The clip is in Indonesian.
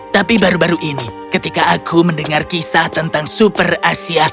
tapi baru baru ini ketika aku mendengar kisah tentang super asia